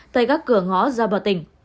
tại các cửa ngõ ra bờ tỉnh